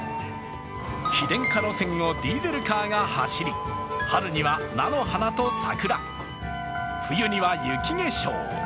非電化路線をディーゼルカーが走り春には菜の花と桜、冬には雪化粧。